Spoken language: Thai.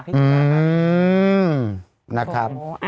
อืมนะครับ